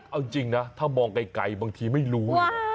เอาจริงนะถ้ามองไกลบางทีไม่รู้